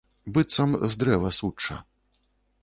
Быццам з дрэва сучча.